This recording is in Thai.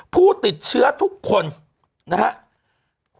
ผู้ติดเชื้อทุกคนนะครับ